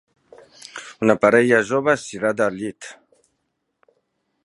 Una parella jove estirada al llit.